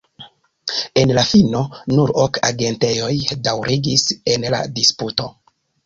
En la fino, nur ok agentejoj daŭrigis en la disputo.